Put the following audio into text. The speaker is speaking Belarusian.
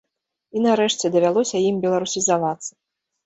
І, нарэшце, давялося ім беларусізавацца.